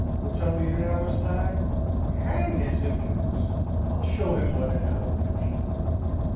Will tell me in an hour's time! Hang his impudence! I'll show him what an hour is!"